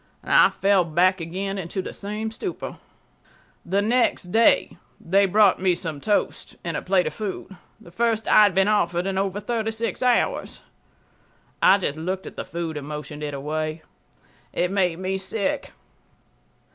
I fell back again into the same stupor. The next day they brought me some toast and a plate of food, the first I had been offered in over 36 hours. I just looked at the food and motioned it away. It made me sick